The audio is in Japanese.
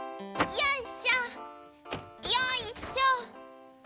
よいしょ！